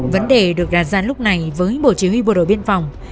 vấn đề được đàn gian lúc này với bộ chỉ huy bộ đội biên phòng